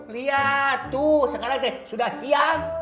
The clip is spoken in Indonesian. liat tuh sekarang itu sudah siang